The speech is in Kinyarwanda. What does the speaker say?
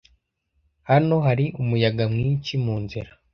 Hano hari umuyaga mwinshi munzira.